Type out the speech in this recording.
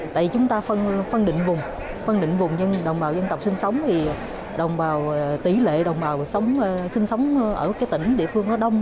tại chúng ta phân định vùng phân định vùng nhưng đồng bào dân tộc sinh sống thì tỷ lệ đồng bào sinh sống ở tỉnh địa phương nó đông